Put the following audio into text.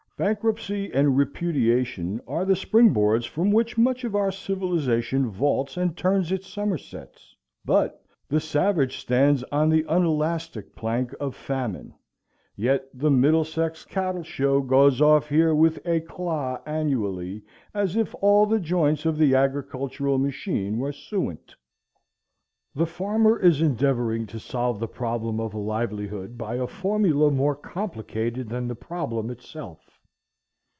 Bankruptcy and repudiation are the springboards from which much of our civilization vaults and turns its somersets, but the savage stands on the unelastic plank of famine. Yet the Middlesex Cattle Show goes off here with éclat annually, as if all the joints of the agricultural machine were suent. The farmer is endeavoring to solve the problem of a livelihood by a formula more complicated than the problem itself.